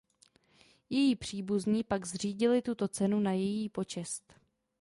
Její příbuzní pak zřídili tuto cenu na její počest.